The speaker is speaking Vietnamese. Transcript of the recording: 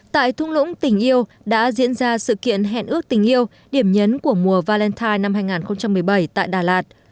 tại thung lũng tình yêu đã diễn ra sự kiện hẹn ước tình yêu điểm nhấn của mùa valentine năm hai nghìn một mươi bảy tại đà lạt